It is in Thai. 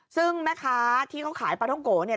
ซึ่งแม่ค้าที่เขาขายปลาท่องโกะเนี่ย